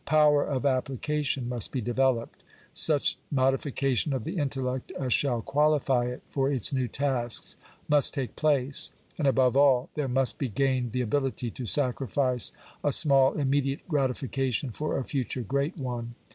Power of application must be developed ; such modification of the intellect as shall qualify it for its new tasks must take place; and, above all, there must be gained the ability to sacrifice a small immediate gratification for a future great one.